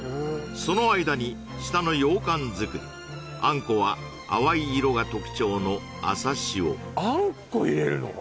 その間に下の羊羹作り餡子は淡い色が特徴の朝汐餡子入れるの！？